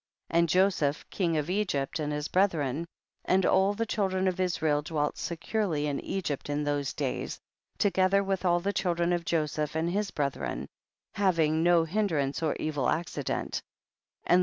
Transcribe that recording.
30. And Joseph, king of Egypt, and his brethren, and all the children of Israel dwelt securely in Egypt in those days, together with all the chil dren of Joseph and his brethren, having no hindrance or evil accident; and the